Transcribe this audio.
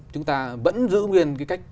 chúng ta vẫn giữ nguyên cái cách